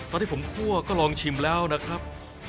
ตอนที่ผมคั่วก็ลองชิมแล้วนะครับ